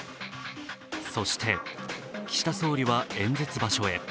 そして岸田総理は演説場所へ。